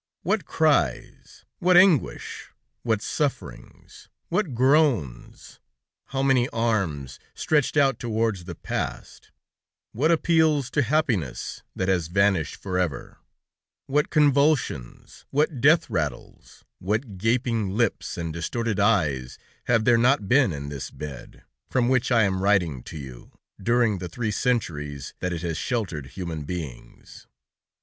What cries, what anguish, what sufferings, what groans, how many arms stretched out towards the past; what appeals to happiness that has vanished for ever; what convulsions, what death rattles, what gaping lips and distorted eyes have there not been in this bed, from which I am writing to you, during the three centuries that it has sheltered human beings!